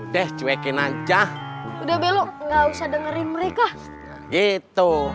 deh cuekin aja udah belok gak usah dengerin mereka gitu